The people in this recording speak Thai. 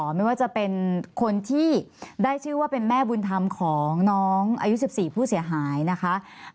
ไม่ว่าจะเป็นคนที่ได้ชื่อว่าเป็นแม่บุญธรรมของน้องอายุ๑๔ผู้เสียหายนะคะ